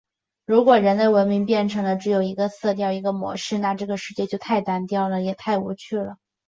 如果人类文明变得只有一个色调、一个模式了，那这个世界就太单调了，也太无趣了！